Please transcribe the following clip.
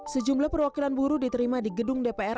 sejumlah perwakilan buruh diterima di gedung dpr